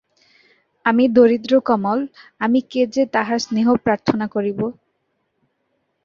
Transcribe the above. আমি দরিদ্র কমল, আমি কে যে তাঁহার স্নেহ প্রার্থনা করিব!